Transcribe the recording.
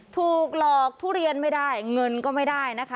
ถูกหลอกทุเรียนไม่ได้เงินก็ไม่ได้นะคะ